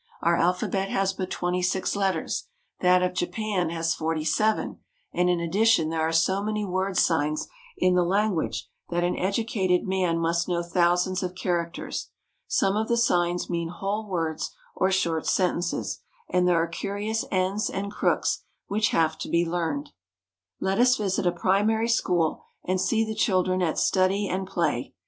Our alphabet has but twenty six letters. That of Japan has forty seven, and in addition there are so many word signs in the language that an educated man must know thousands of characters. Some of the signs mean whole words or short sentences, and there are curious ends and crooks which have to be learned. Let us visit a primary school and see the children at study and play.